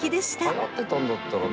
はやってたんだったらね